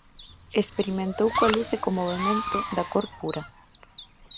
Experimentou coa luz e co movemento da cor pura.